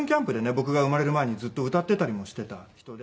僕が生まれる前にずっと歌ってたりもしてた人で。